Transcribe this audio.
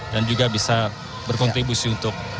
dan juga bisa berkontribusi untuk